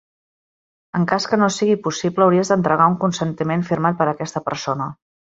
En cas que no sigui possible hauries d'entregar un consentiment firmat per aquesta persona.